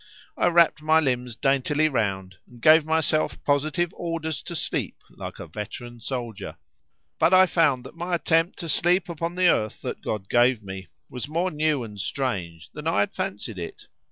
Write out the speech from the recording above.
I wrapped my limbs daintily round, and gave myself positive orders to sleep like a veteran soldier. But I found that my attempt to sleep upon the earth that God gave me was more new and strange than I had fancied it.